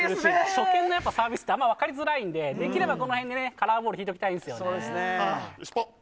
初見のサービスって分かりづらいのでできればこの辺でカラーボールを引きたいですね。